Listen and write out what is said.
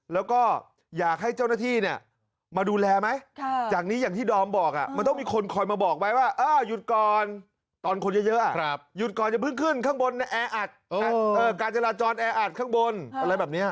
แล้วก็อยากให้เจ้าหน้าที่เนี่ยมาดูแลไหม